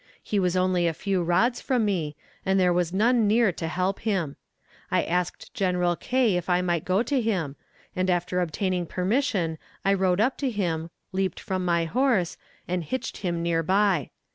He was only a few rods from me, and there was none near to help him. I asked General K. if I might go to him, and after obtaining permission I rode up to him, leaped from my horse, and hitched him near by.